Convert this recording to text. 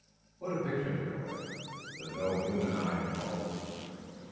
What a picture was there, with no human eye to behold it!